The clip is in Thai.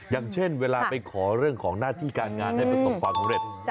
อย่างเช่นเวลาไปขอเรื่องของหน้าที่การงานให้ประสบความสำเร็จ